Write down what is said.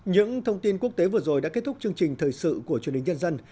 những thông tin quốc tế vừa rồi đã kết thúc chương trình thời sự của chương trình nhân dân